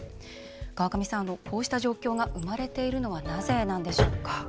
川上さん、こうした状況が生まれているのはなぜなんでしょうか？